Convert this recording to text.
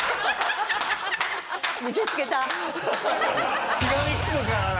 見せつけた。